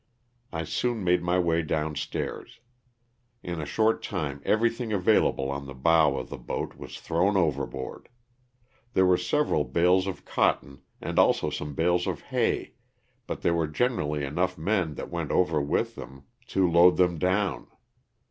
I soon made my way down stairs. In a short time everything available on the bow of the boat was thrown overboard. There were several bales of cotton and also some bales of hay but there were generally enough men that went over with them to 288 LOSS OF THE SULTANA. load them down.